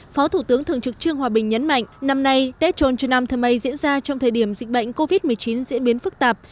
phó thủ tướng thường trực chương hòa bình nhấn mạnh năm nay tết trôn trường năm thơ mê diễn ra trong thời điểm dịch bệnh covid một mươi chín diễn biến phức tạp